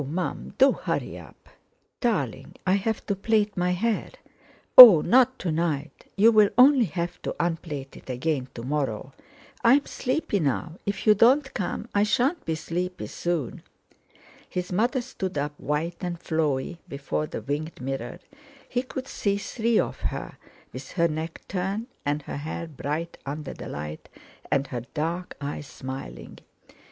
Mum, do hurry up!" "Darling, I have to plait my hair." "Oh! not to night. You'll only have to unplait it again to morrow. I'm sleepy now; if you don't come, I shan't be sleepy soon." His mother stood up white and flowey before the winged mirror: he could see three of her, with her neck turned and her hair bright under the light, and her dark eyes smiling.